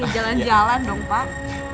jalan jalan dong pak